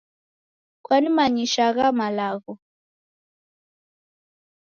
Kwanimanyisha agha malagho